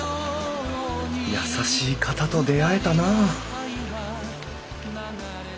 優しい方と出会えたな